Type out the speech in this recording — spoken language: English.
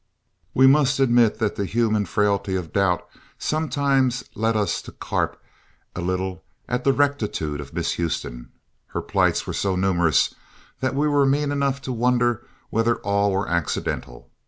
We must admit that the human frailty of doubt sometimes led us to carp a little at the rectitude of Miss Houston. Her plights were so numerous that we were mean enough to wonder whether all were accidental.